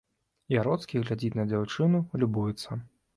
Яроцкі глядзіць на дзяўчыну, любуецца.